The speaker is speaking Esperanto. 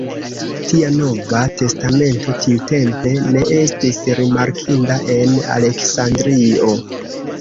Tia Nova Testamento tiutempe ne estis rimarkinda en Aleksandrio.